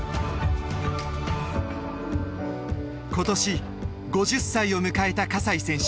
今年５０歳を迎えた西選手。